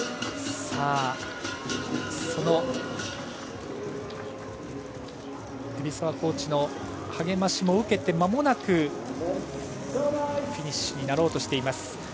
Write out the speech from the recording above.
その蛯沢コーチの励ましを受けてまもなくフィニッシュになろうとしています。